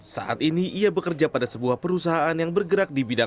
saat ini ia bekerja pada sebuah perusahaan yang bergerak di bidang